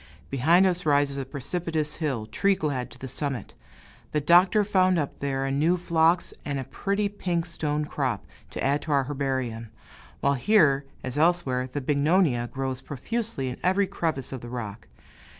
Behind us rises a precipitous hill, tree clad to the summit. The Doctor found up there a new phlox and a pretty pink stone crop, to add to our herbarium, while here as elsewhere the bignonia grows profusely in every crevice of the rock.